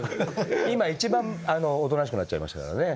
今一番おとなしくなっちゃいましたからね。